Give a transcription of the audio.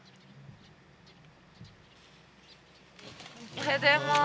おはようございます。